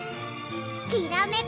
きらめく